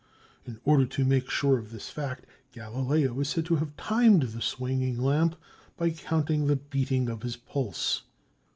In order to make sure of this fact, Galileo is said to have timed the swinging lamp by counting the beating of his pulse.